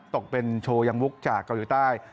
ตกเป็นโชว์ยังวุกจากเกาหลีใต้